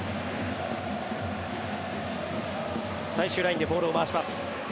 最終ラインでボールを回します。